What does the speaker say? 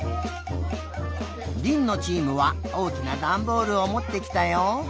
りんのチームはおおきなダンボールをもってきたよ。